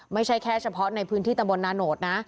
ไม่ใช่แค่เฉพาะในพื้นที่ตำบลนาโนตนะ